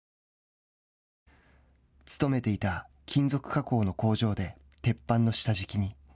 務めていた金属加工の工場で鉄板の下敷きに。